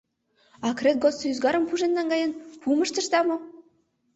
Акрет годсо ӱзгарым пужен наҥгаен, пум ыштышда мо?